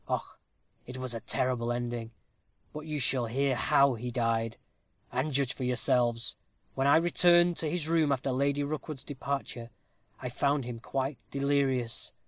Och! it was a terrible ending. But you shall hear how he died, and judge for yourselves. When I returned to his room after Lady Rookwood's departure, I found him quite delirious.